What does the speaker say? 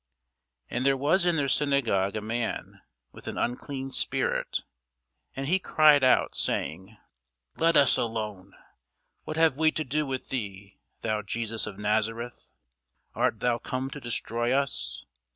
And there was in their synagogue a man with an unclean spirit; and he cried out, saying, Let us alone; what have we to do with thee, thou Jesus of Nazareth? art thou come to destroy us?